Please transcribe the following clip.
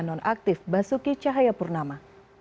non aktif basuki cahaya purnama